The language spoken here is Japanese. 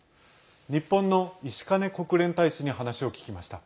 日本の石兼国連大使に話を聞きました。